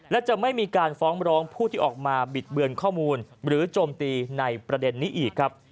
และจะไม่มีการฟ้องร้องผู้ที่ออกมาบิดเบือนข้อมูลหรือโจมตีในประเด็นนี้อีกครับ